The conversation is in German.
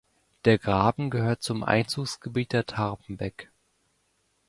Der Graben gehört zum Einzugsgebiet der Tarpenbek.